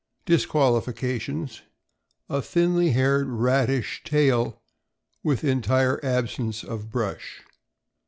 Disqualifications: A thinly haired, rattish tail, with entire absence of brush.